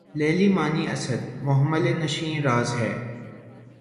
لیلیِ معنی اسد! محمل نشینِ راز ہے